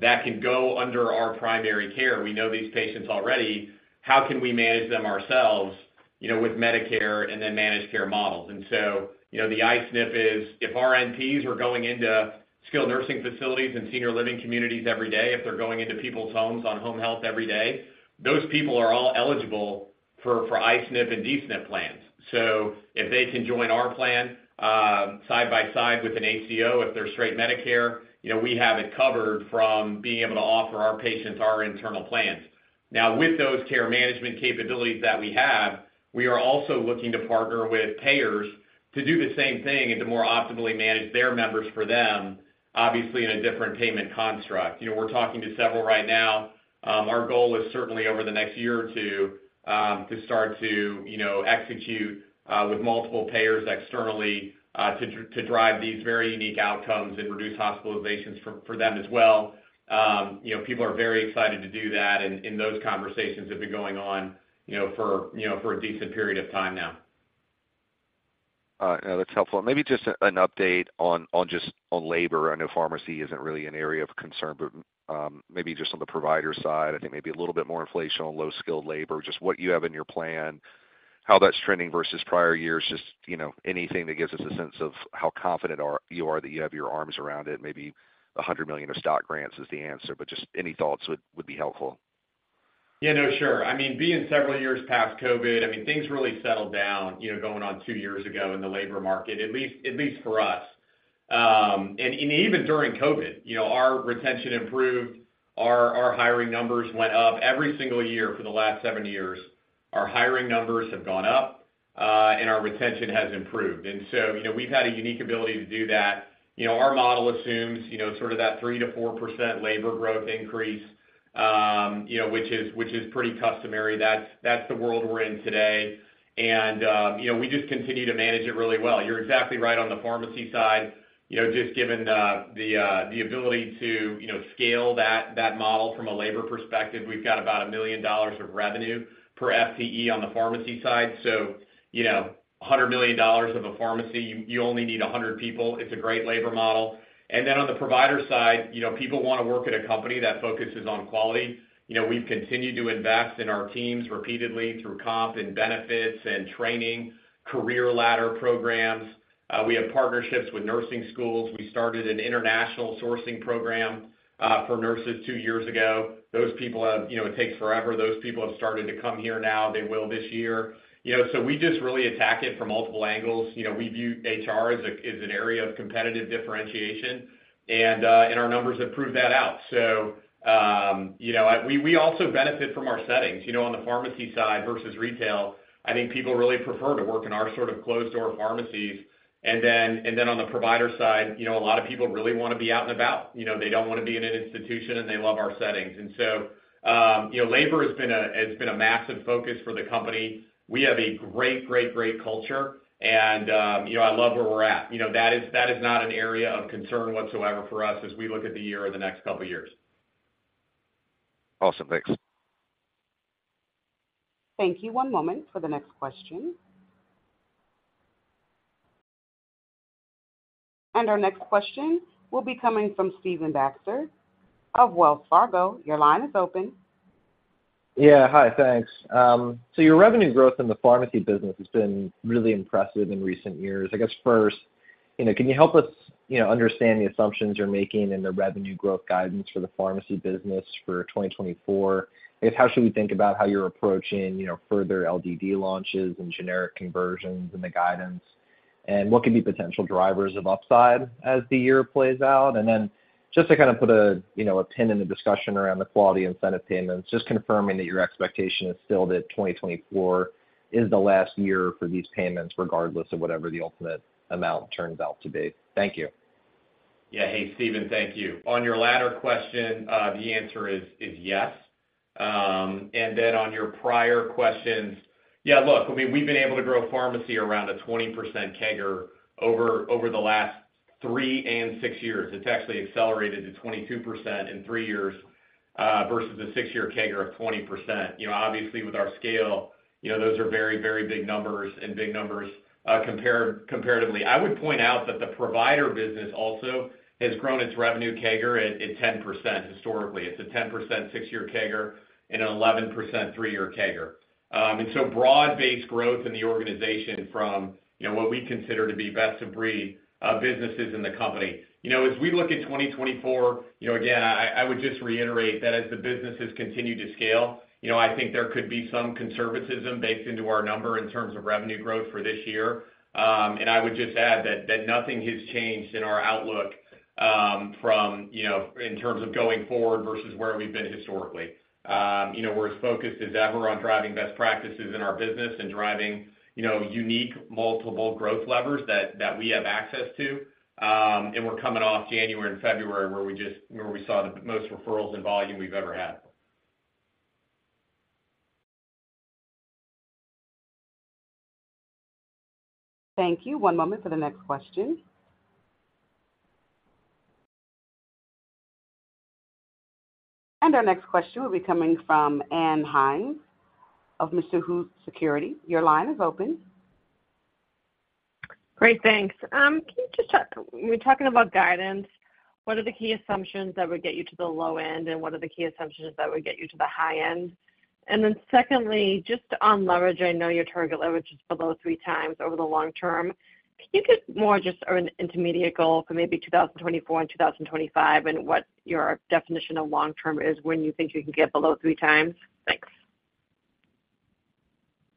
C: that can go under our primary care - we know these patients already - how can we manage them ourselves with Medicare and then managed care models? And so the I-SNP is if our NPs are going into skilled nursing facilities and senior living communities every day, if they're going into people's homes on home health every day, those people are all eligible for I-SNP and D-SNP plans. So if they can join our plan side by side with an ACO, if they're straight Medicare, we have it covered from being able to offer our patients our internal plans. Now, with those care management capabilities that we have, we are also looking to partner with payers to do the same thing and to more optimally manage their members for them, obviously, in a different payment construct. We're talking to several right now. Our goal is certainly over the next year or two to start to execute with multiple payers externally to drive these very unique outcomes and reduce hospitalizations for them as well. People are very excited to do that. Those conversations have been going on for a decent period of time now.
F: That's helpful. Maybe just an update on labor. I know pharmacy isn't really an area of concern, but maybe just on the provider side, I think maybe a little bit more inflation on low-skilled labor, just what you have in your plan, how that's trending versus prior years, just anything that gives us a sense of how confident you are that you have your arms around it. Maybe $100 million of stock grants is the answer, but just any thoughts would be helpful.
C: Yeah. No, sure. I mean, being several years past COVID, I mean, things really settled down going on two years ago in the labor market, at least for us. And even during COVID, our retention improved. Our hiring numbers went up every single year for the last seven years. Our hiring numbers have gone up, and our retention has improved. And so we've had a unique ability to do that. Our model assumes sort of that 3% to 4% labor growth increase, which is pretty customary. That's the world we're in today. And we just continue to manage it really well. You're exactly right on the pharmacy side. Just given the ability to scale that model from a labor perspective, we've got about $1 million of revenue per FTE on the pharmacy side. So $100 million of a pharmacy, you only need 100 people. It's a great labor model. And then on the provider side, people want to work at a company that focuses on quality. We've continued to invest in our teams repeatedly through comp and benefits and training, career ladder programs. We have partnerships with nursing schools. We started an international sourcing program for nurses two years ago. Those people—it takes forever. Those people have started to come here now. They will this year. So we just really attack it from multiple angles. We view HR as an area of competitive differentiation, and our numbers have proved that out. So we also benefit from our settings. On the pharmacy side versus retail, I think people really prefer to work in our sort of closed-door pharmacies. And then on the provider side, a lot of people really want to be out and about. They don't want to be in an institution, and they love our settings. And so labor has been a massive focus for the company. We have a great, great, great culture, and I love where we're at. That is not an area of concern whatsoever for us as we look at the year or the next couple of years.
F: Awesome. Thanks.
A: Thank you. One moment for the next question. Our next question will be coming from Stephen Baxter of Wells Fargo. Your line is open.
J: Yeah. Hi. Thanks. So your revenue growth in the pharmacy business has been really impressive in recent years. I guess first, can you help us understand the assumptions you're making in the revenue growth guidance for the pharmacy business for 2024? I guess, how should we think about how you're approaching further LDD launches and generic conversions and the guidance? And what could be potential drivers of upside as the year plays out? And then just to kind of put a pin in the discussion around the quality incentive payments, just confirming that your expectation is still that 2024 is the last year for these payments regardless of whatever the ultimate amount turns out to be. Thank you.
C: Yeah. Hey, Stephen. Thank you. On your latter question, the answer is yes. And then on your prior questions, yeah, look, I mean, we've been able to grow pharmacy around a 20% CAGR over the last three and six years. It's actually accelerated to 22% in three years versus a six-year CAGR of 20%. Obviously, with our scale, those are very, very big numbers and big numbers comparatively. I would point out that the provider business also has grown its revenue CAGR at 10% historically. It's a 10% six-year CAGR and an 11% three-year CAGR. And so broad-based growth in the organization from what we consider to be best of breed businesses in the company. As we look at 2024, again, I would just reiterate that as the businesses continue to scale, I think there could be some conservatism baked into our number in terms of revenue growth for this year. I would just add that nothing has changed in our outlook in terms of going forward versus where we've been historically. We're as focused as ever on driving best practices in our business and driving unique multiple growth levers that we have access to. We're coming off January and February where we saw the most referrals and volume we've ever had.
A: Thank you. One moment for the next question. Our next question will be coming from Ann Hynes of Mizuho Securities. Your line is open.
K: Great. Thanks. Can you just talk? We're talking about guidance. What are the key assumptions that would get you to the low end, and what are the key assumptions that would get you to the high end? And then secondly, just on leverage, I know your target leverage is below three times over the long-term. Can you give more just an intermediate goal for maybe 2024 and 2025 and what your definition of long-term is when you think you can get below three times? Thanks.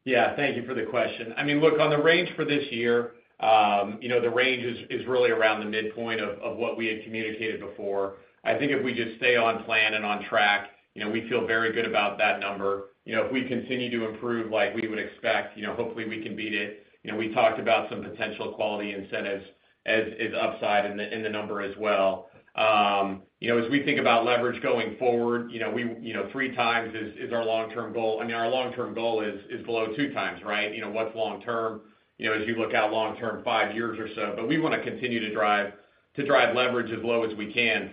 C: Yeah. Thank you for the question. I mean, look, on the range for this year, the range is really around the midpoint of what we had communicated before. I think if we just stay on plan and on track, we feel very good about that number. If we continue to improve like we would expect, hopefully, we can beat it. We talked about some potential quality incentives as upside in the number as well. As we think about leverage going forward, three times is our long-term goal. I mean, our long-term goal is below 2x, right? What's long term as you look out long term, five years or so? But we want to continue to drive leverage as low as we can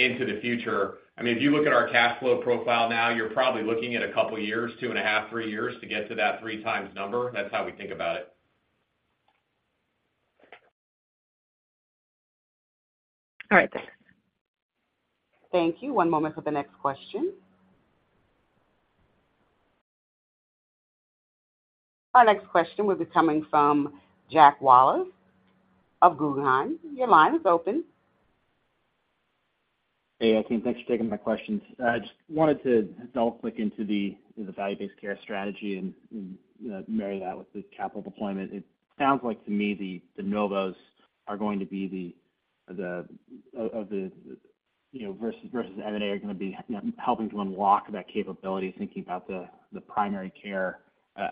C: into the future. I mean, if you look at our cash flow profile now, you're probably looking at a couple of years, two and a half, three years to get to that three times number. That's how we think about it.
K: All right. Thanks.
A: Thank you. One moment for the next question. Our next question will be coming from Jack Wallace of Guggenheim. Your line is open.
L: Hey, I think thanks for taking my questions. I just wanted to delve quick into the value-based care strategy and marry that with the capital deployment. It sounds like to me de novos are going to be the focus versus M&A are going to be helping to unlock that capability, thinking about the primary care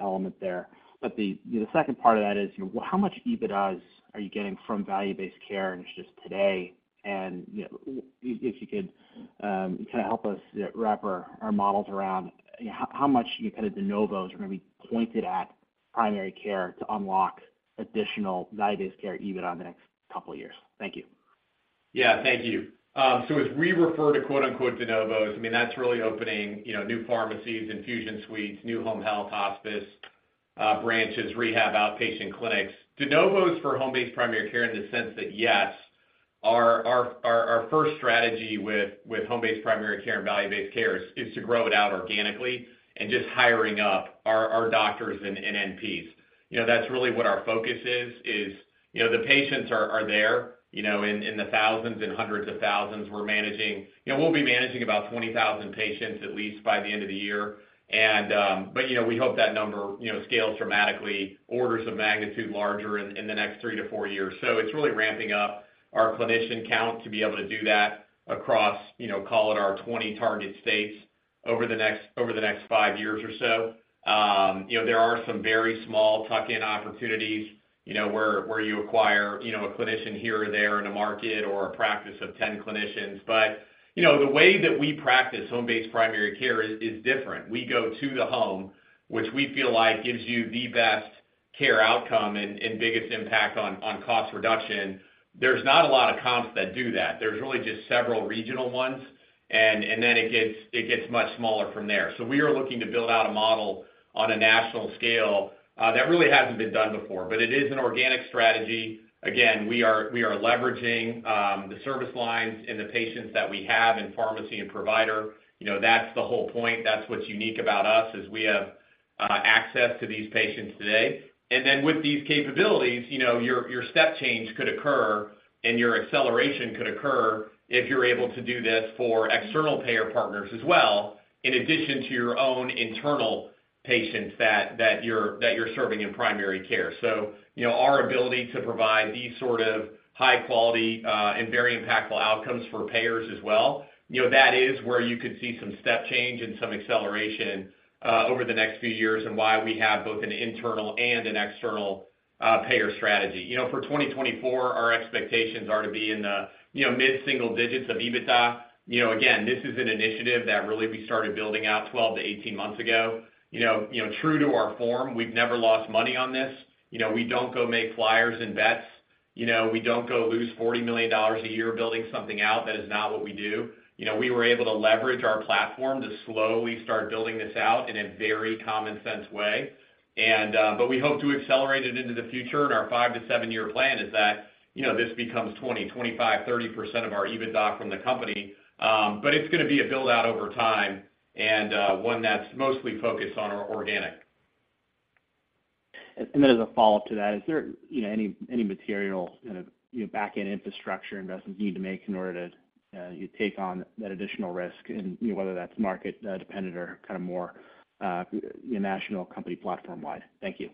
L: element there. But the second part of that is how much EBITDA are you getting from value-based care just today? And if you could kind of help us wrap our models around how much kind of de novos are going to be pointed at primary care to unlock additional value-based care EBITDA in the next couple of years. Thank you.
C: Yeah. Thank you. So as we refer to "de novos," I mean, that's really opening new pharmacies, infusion suites, new home health, hospice branches, rehab, outpatient clinics. De novos for home-based primary care in the sense that, yes, our first strategy with home-based primary care and value-based care is to grow it out organically and just hiring up our doctors and NPs. That's really what our focus is, is the patients are there in the thousands and hundreds of thousands. We'll be managing about 20,000 patients at least by the end of the year. But we hope that number scales dramatically, orders of magnitude larger in the next three to four years. So it's really ramping up our clinician count to be able to do that across, call it, our 20 target states over the next five years or so. There are some very small tuck-in opportunities where you acquire a clinician here or there in a market or a practice of 10 clinicians. But the way that we practice home-based primary care is different. We go to the home, which we feel like gives you the best care outcome and biggest impact on cost reduction. There's not a lot of comps that do that. There's really just several regional ones, and then it gets much smaller from there. So we are looking to build out a model on a national scale that really hasn't been done before, but it is an organic strategy. Again, we are leveraging the service lines and the patients that we have in pharmacy and provider. That's the whole point. That's what's unique about us, is we have access to these patients today. And then with these capabilities, your step change could occur, and your acceleration could occur if you're able to do this for external payer partners as well in addition to your own internal patients that you're serving in primary care. So our ability to provide these sort of high-quality and very impactful outcomes for payers as well, that is where you could see some step change and some acceleration over the next few years and why we have both an internal and an external payer strategy. For 2024, our expectations are to be in the mid-single digits of EBITDA. Again, this is an initiative that really, we started building out 12-18 months ago. True to our form, we've never lost money on this. We don't go make flyers and bets. We don't go lose $40 million a year building something out. That is not what we do. We were able to leverage our platform to slowly start building this out in a very common-sense way. But we hope to accelerate it into the future. And our five-to-seven-year plan is that this becomes 20%, 25%, 30% of our EBITDA from the company. But it's going to be a build-out over time and one that's mostly focused on organic.
L: And then as a follow-up to that, is there any material kind of back-end infrastructure investments you need to make in order to take on that additional risk, whether that's market-dependent or kind of more national company platform-wide? Thank you.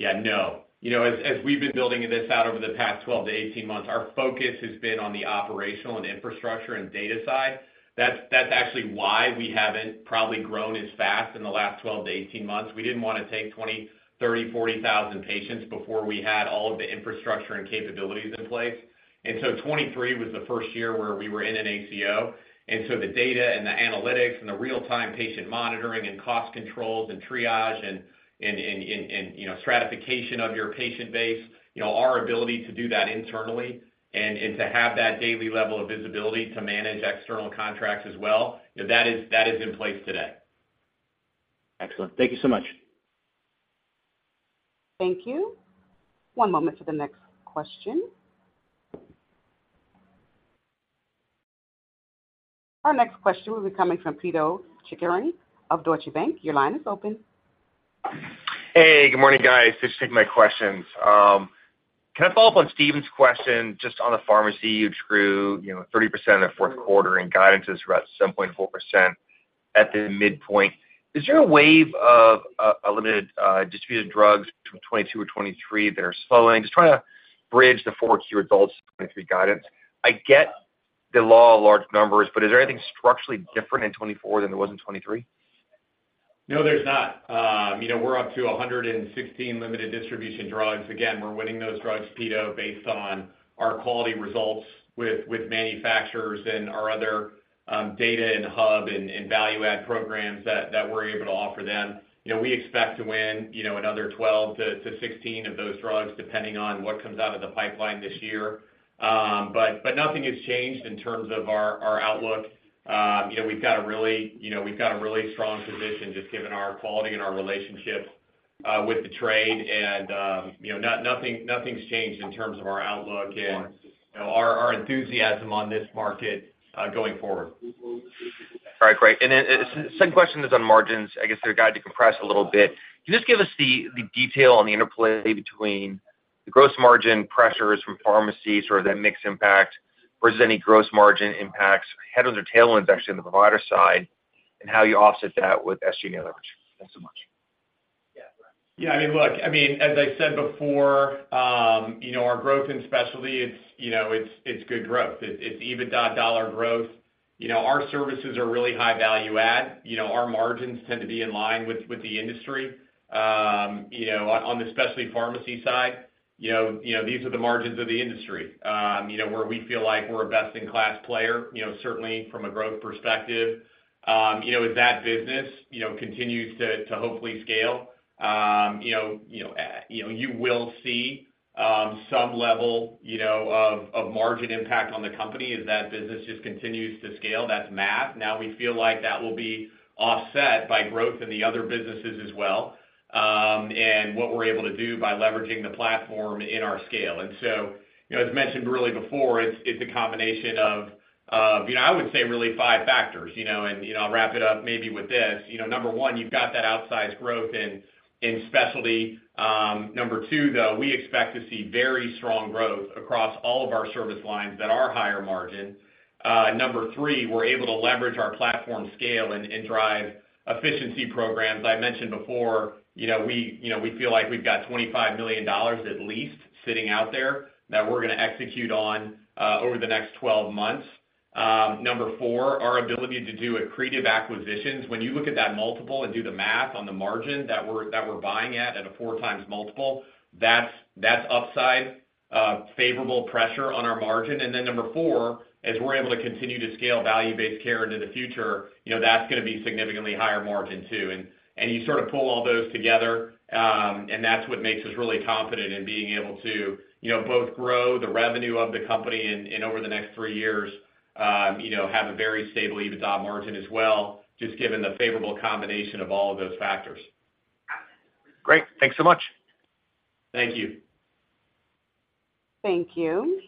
C: Yeah. No. As we've been building this out over the past 12-18 months, our focus has been on the operational and infrastructure and data side. That's actually why we haven't probably grown as fast in the last 12-18 months. We didn't want to take 20,000, 30,000, 40,000 patients before we had all of the infrastructure and capabilities in place. And so 2023 was the first year where we were in an ACO. And so the data and the analytics and the real-time patient monitoring and cost controls and triage and stratification of your patient base, our ability to do that internally and to have that daily level of visibility to manage external contracts as well, that is in place today.
L: Excellent. Thank you so much.
A: Thank you. One moment for the next question. Our next question will be coming from Pito Chickering of Deutsche Bank. Your line is open.
M: Hey. Good morning, guys. Just taking my questions. Can I follow up on Stephen's question just on the pharmacy? You drew 30% in the fourth quarter and guidance is about 7.4% at the midpoint. Is there a wave of limited distribution drugs from 2022 or 2023 that are slowing? Just trying to bridge the fourth quarter results of 2023 guidance. I get the law of large numbers, but is there anything structurally different in 2024 than there was in 2023? No, there's not. We're up to 116 limited distribution drugs. Again, we're winning those drugs, Pit, based on our quality results with manufacturers and our other data and hub and value-add programs that we're able to offer them. We expect to win another 12-16 of those drugs depending on what comes out of the pipeline this year. But nothing has changed in terms of our outlook. We've got a really strong position just given our quality and our relationships with the trade. And nothing's changed in terms of our outlook and our enthusiasm on this market going forward. All right. Great. And then the second question is on margins. I guess they're a guide to compress a little bit. Can you just give us the detail on the interplay between the gross margin pressures from pharmacies, sort of that mix impact, versus any gross margin impacts, headwinds or tailwinds, actually, on the provider side and how you offset that with SG&A leverage? Thanks so much.
C: Yeah. I mean, look, I mean, as I said before, our growth in specialty, it's good growth. It's EBITDA, dollar growth. Our services are really high value-add. Our margins tend to be in line with the industry. On the... especially pharmacy side, these are the margins of the industry where we feel like we're a best-in-class player, certainly from a growth perspective. As that business continues to hopefully scale, you will see some level of margin impact on the company. As that business just continues to scale, that's math. Now, we feel like that will be offset by growth in the other businesses as well and what we're able to do by leveraging the platform in our scale. And so as mentioned really before, it's a combination of, I would say, really five factors. And I'll wrap it up maybe with this. Number one, you've got that outsized growth in specialty. Number two, though, we expect to see very strong growth across all of our service lines that are higher margin. Number three, we're able to leverage our platform scale and drive efficiency programs. I mentioned before, we feel like we've got $25 million at least sitting out there that we're going to execute on over the next 12 months. Number four, our ability to do accretive acquisitions. When you look at that multiple and do the math on the margin that we're buying at a four times multiple, that's upside, favorable pressure on our margin. And then number four, as we're able to continue to scale value-based care into the future, that's going to be significantly higher margin too. And you sort of pull all those together, and that's what makes us really competent in being able to both grow the revenue of the company and over the next three years, have a very stable EBITDA margin as well, just given the favorable combination of all of those factors. Great.
M: Thanks so much.
C: Thank you.
A: Thank you.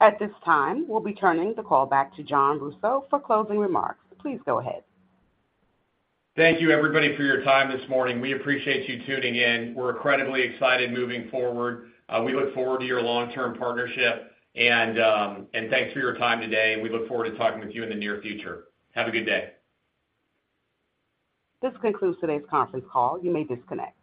A: At this time, we'll be turning the call back to Jon Rousseau for closing remarks. Please go ahead.
C: Thank you, everybody, for your time this morning. We appreciate you tuning in. We're incredibly excited moving forward. We look forward to your long-term partnership. Thanks for your time today. We look forward to talking with you in the near future. Have a good day.
A: This concludes today's conference call. You may disconnect.